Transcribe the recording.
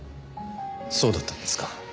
そうだったんですか。